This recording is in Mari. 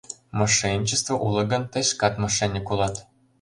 — Мошенничество уло гын, тый шкат мошенник улат.